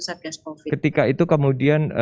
satgas covid ketika itu kemudian